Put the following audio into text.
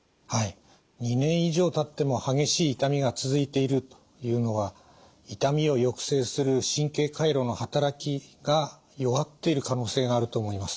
２年以上たっても激しい痛みが続いているというのは痛みを抑制する神経回路の働きが弱っている可能性があると思います。